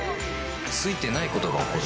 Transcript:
ついてないことが起こる